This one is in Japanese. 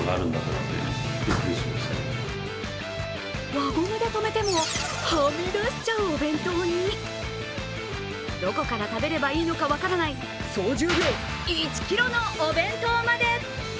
輪ゴムでとめてもはみ出しちゃうお弁当にどこから食べればいいのか分からない総重量１キロのお弁当まで。